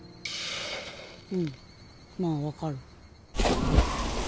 うんまあ分かる。